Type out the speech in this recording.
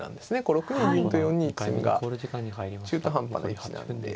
６二銀と４二金が中途半端な位置にあるんで。